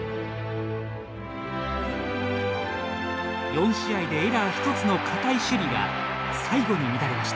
４試合でエラー１つの堅い守備が最後に乱れました。